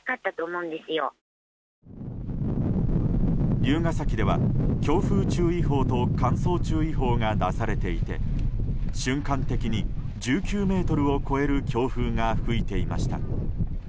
龍ケ崎では強風注意報と乾燥注意報が出されていて瞬間的に、１９メートルを超える強風が吹いていました。